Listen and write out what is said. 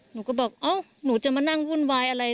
หนูก็บอกเอ้าหนูจะมานั่งวุ่นวายอะไร